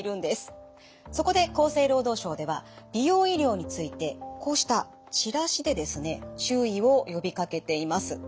そこで厚生労働省では美容医療についてこうしたチラシでですね注意を呼びかけています。